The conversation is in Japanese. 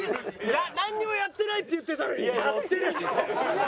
なんにもやってないって言ってたのにやってる。